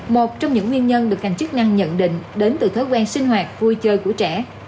một trong những nguyên nhân được ngành chức năng nhận định đến từ thói quen sinh hoạt vui chơi của trẻ